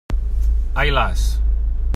Ai las!